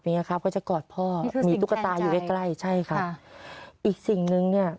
เนี้ยครับก็จะกอดพ่อมีตุ๊กตาอยู่ใกล้ใกล้ใช่ครับอีกสิ่งหนึ่งเนี้ย